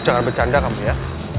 jangan bercanda kamu ya